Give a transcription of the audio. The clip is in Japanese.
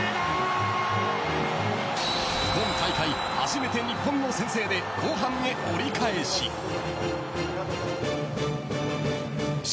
今大会、初めて日本の先制で後半へ折り返し。